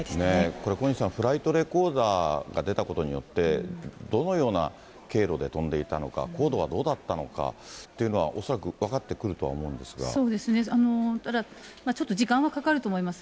これ、小西さん、フライトレコーダーが出たことによって、どのような経路で飛んでいたのか、高度はどうだったのかというのは、恐らく分かってくるとは思うんでただ、ちょっと時間はかかると思います。